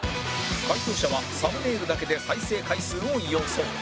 解答者はサムネイルだけで再生回数を予想